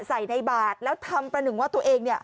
ใส่ในบาทแล้วทำประหนึ่งว่าตัวเองเนี่ย